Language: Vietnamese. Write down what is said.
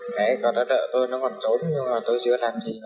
đấy còn nó đợi tôi nó còn trốn nhưng mà tôi chưa có làm gì với nó nhé